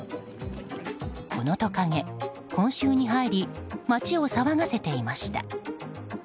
このトカゲ、今週に入り町を騒がせていました。